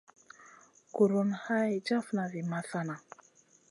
Guruna hay jafna vi masana.